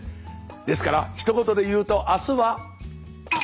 ですからひと言で言うとあすは。